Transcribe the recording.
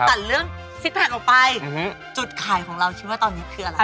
ถ้าสมมุติตันเรื่องซิกแพ็กออกไปจุดไขของเราคือว่าตอนนี้คืออะไร